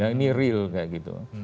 ini real kayak gitu